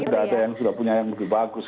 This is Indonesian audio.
sudah ada yang sudah punya yang lebih bagus